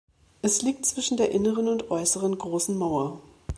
Es liegt zwischen der Inneren und Äußeren Großen Mauer.